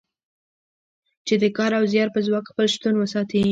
چې د کار او زیار په ځواک خپل شتون وساتي.